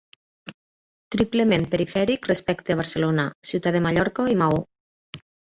Triplement perifèric respecte a Barcelona, Ciutat de Mallorca i Maó.